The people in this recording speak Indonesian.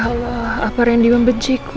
ya allah apa randy yang benciku